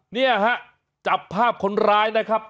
เนี่ยฮะจับภาพคนร้ายนะครับ